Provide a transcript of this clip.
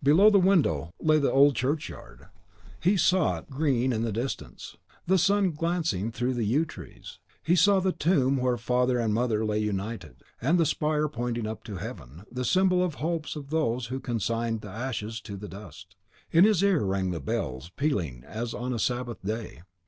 Below the window lay the old churchyard: he saw it green in the distance, the sun glancing through the yew trees; he saw the tomb where father and mother lay united, and the spire pointing up to heaven, the symbol of the hopes of those who consigned the ashes to the dust; in his ear rang the bells, pealing, as on a Sabbath day.